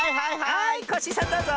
はいコッシーさんどうぞ！